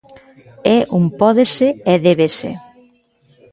É un pódese e débese.